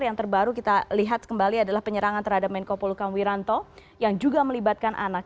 yang terbaru kita lihat kembali adalah penyerangan terhadap menko polukam wiranto yang juga melibatkan anak